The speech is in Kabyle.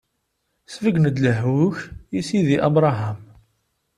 Sbeggen-d lehhu-k i sidi Abṛaham.